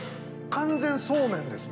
完全そうめんですね。